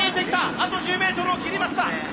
あと１０メートルを切りました。